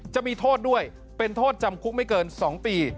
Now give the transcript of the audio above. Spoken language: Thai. จะมีโทษด้วยเป็นโทษจำคุกไม่เกิน๒ปี